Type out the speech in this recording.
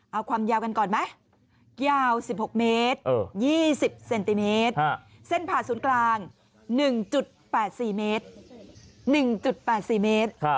เอาความยาวกันก่อนไหมยาว๑๖ม๒๐ถเส้นผลัดสูญกลาง๑๘๔เมตร๑๘๔เมตร